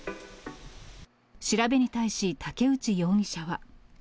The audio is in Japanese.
調べに対し武内容疑者は。